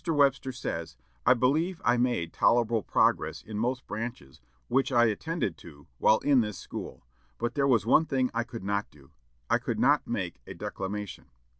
Webster says, "I believe I made tolerable progress in most branches which I attended to while in this school; but there was one thing I could not do I could not make a declamation.